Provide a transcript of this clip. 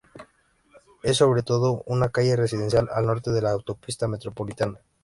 Es sobre todo una calle residencial al norte de la autopista metropolitana.